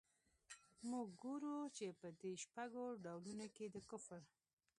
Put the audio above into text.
موږ ګورو چي په دې شپږو ډولونو کي د کفر.